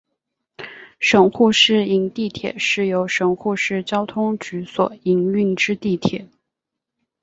神户市营地铁是由神户市交通局所营运之地铁。